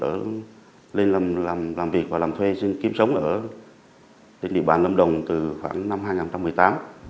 đối tượng này là làm việc và làm thuê sinh kiếm sống ở địa bàn lâm đồng từ khoảng năm hai nghìn một mươi tám